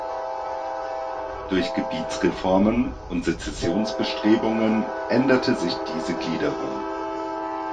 Durch Gebietsreformen und Sezessionsbestrebungen änderte sich diese Gliederung.